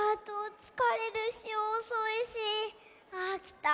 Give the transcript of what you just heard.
つかれるしおそいしあきたなあ。